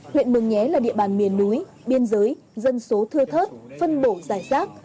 huyện mường nhé là địa bàn miền núi biên giới dân số thơ thớt phân bổ giải sát